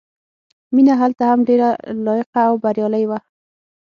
مینه هلته هم ډېره لایقه او بریالۍ وه